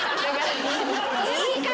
言い方！